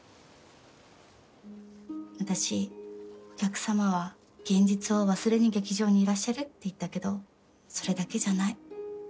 私お客様は現実を忘れに劇場にいらっしゃるって言ったけどそれだけじゃない。